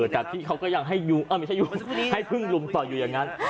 แต่พี่เขาก็ยังให้ยุงไม่ใช่ยุงให้พึ่งลุมต่ออยู่อย่างนั้น